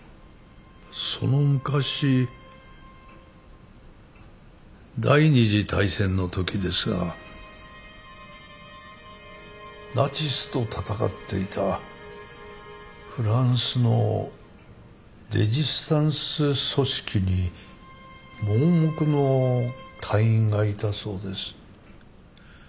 その昔第二次大戦のときですがナチスと戦っていたフランスのレジスタンス組織に盲目の隊員がいたそうです。